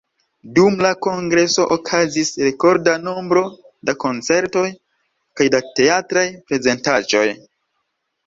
Dum la Kongreso okazis rekorda nombro da koncertoj kaj da teatraj prezentaĵoj.